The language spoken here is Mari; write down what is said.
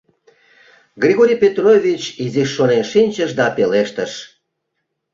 Григорий Петрович изиш шонен шинчыш да пелештыш: